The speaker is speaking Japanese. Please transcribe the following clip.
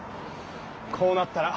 こうなったら。